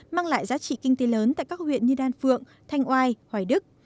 mang lại giá trị kinh tế lớn tại các huyện như đan phượng thanh oai hoài đức